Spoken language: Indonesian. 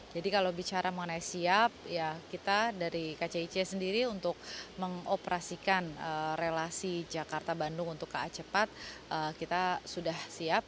jadi kalau bicara mengenai siap kita dari kcic sendiri untuk mengoperasikan relasi jakarta bandung untuk ka cepat kita sudah siap